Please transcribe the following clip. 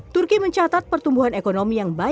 sufiani tanjuk cnn indonesia